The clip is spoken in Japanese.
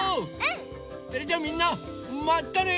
それじゃあみんなまたね！